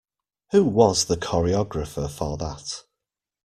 Who was the choreographer for that?